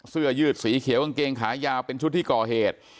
เสื้อยืดสีเขียวกางเกงขายาวเป็นชุดที่ก่อเหตุ